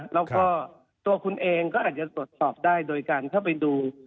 แล้วก็ตัวคุณเองก็อาจจะตรวจสอบได้โดยการเข้าไปดู